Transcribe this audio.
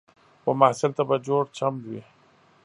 و محصل ته به جوړ چم وي